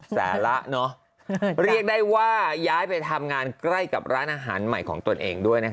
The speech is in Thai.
สาระเรียกได้ว่าย้ายไปทำงานใกล้กับร้านอาหารใหม่ของตนเองด้วยนะคะ